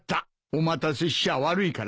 お待たせしちゃ悪いからな。